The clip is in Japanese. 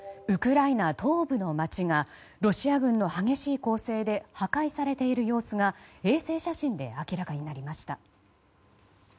ウクライナ東部の街がロシア軍の激しい攻勢で破壊されている様子が衛星写真で明らかになりました。